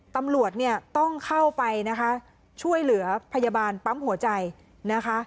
ตำรวจเนี่ยต้องเข้าไปนะคะช่วยเหลือพยาบาลปั๊มหัวใจนะคะ